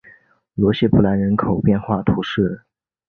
罗谢布兰人口变化图示